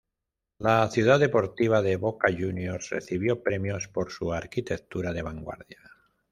La Ciudad Deportiva de Boca Juniors recibió premios por su arquitectura de vanguardia.